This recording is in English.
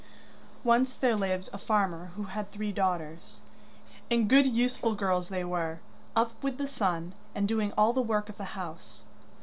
Once there lived a farmer who had three daughters, and good useful girls they were, up with the sun, and doing all the work of the house.